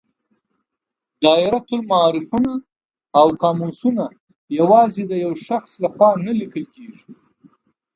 دایرة المعارفونه او قاموسونه یوازې د یو شخص له خوا نه لیکل کیږي.